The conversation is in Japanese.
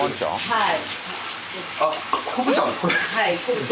はい。